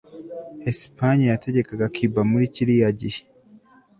espagne yategekaga cuba muri kiriya gihe